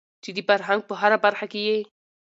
چې د فرهنګ په هره برخه کې يې